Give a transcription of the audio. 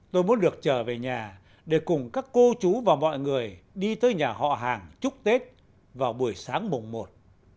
tôi muốn được trở về nhà để cùng các cô chú và mọi người đi tới nhà họ hàng chúc tết vào buổi sáng mùng một